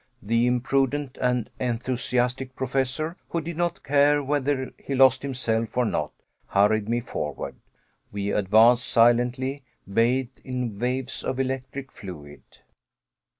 The imprudent and enthusiastic Professor, who did not care whether he lost himself or not, hurried me forward. We advanced silently, bathed in waves of electric fluid.